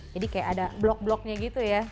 jadi kayak ada blok bloknya gitu ya